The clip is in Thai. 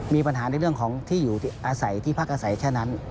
มีปัญหาในเรื่องของที่อยู่อาศัยที่พักอาศัยแค่นั้น